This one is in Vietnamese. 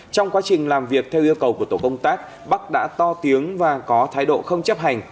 trong quá trình làm việc theo yêu cầu của tổ công tác bắc đã to tiếng và có thái độ không chấp hành